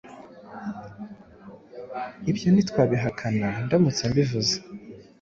I byo ntiwabihakana ndamutse mbivuze